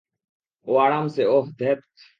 ও আরামসে ওহ, ধ্যাৎ।